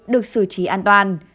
được xử trí an toàn